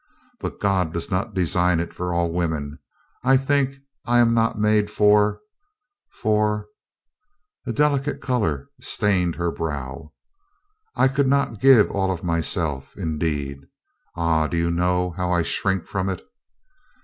"But God does not design it for all women, I think. I am not made for — for —"^ delicate color stained her brow. "I could not give all of myself, indeed. Ah, do you know how I shrink from it?"